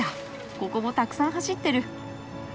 ここもたくさん走ってる。